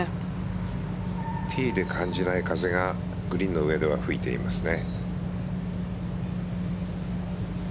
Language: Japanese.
ティーで感じない風がグリーンの上では吹いていますね。